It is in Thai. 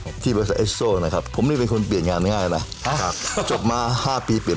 คุณจูโดยันเรียนก็เคยเป็นพนักงานนักมันเดือน